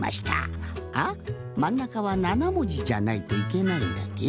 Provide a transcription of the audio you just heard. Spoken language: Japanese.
まんなかは７もじじゃないといけないんだっけ？